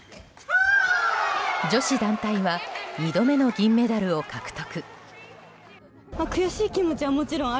女子団体は２度目の銀メダルを獲得。